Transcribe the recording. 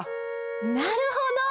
なるほど！